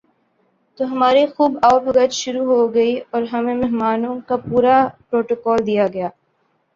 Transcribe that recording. تو ہماری خوب آؤ بھگت شروع ہو گئی اور ہمیں مہمانوں کا پورا پروٹوکول دیا گیا ۔